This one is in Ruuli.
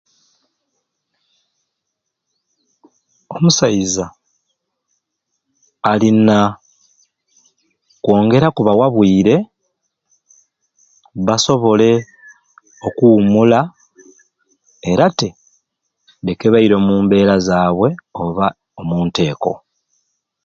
Omusaiza alina kwongera kubawa bwire basobole okuwumula era te leke baire omu mbera oba omunteeko